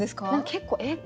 結構えっ？